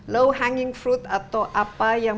low hanging fruit atau apa yang